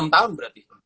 enam tahun berarti